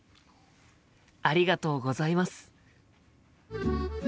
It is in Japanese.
ありがとうございます。